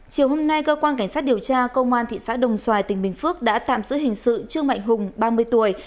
chiều hôm nay cơ quan cảnh sát điều tra công an thị xã đồng xoài tỉnh bình phước đã tạm giữ hình sự trương mạnh hùng ba mươi tuổi